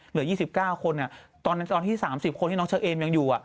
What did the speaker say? เหลือ๒๙คนตอนนั้นตอนที่๓๐คนที่น้องเชอเอมยังอยู่